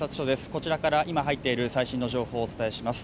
こちらから今入っている最新の情報をお伝えします。